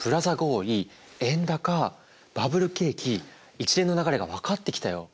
一連の流れが分かってきたよ。